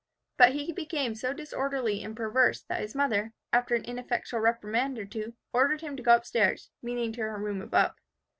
But he became so disorderly and perverse that his mother, after an ineffectual reprimand or two, ordered him to go up stairs, meaning to her room above.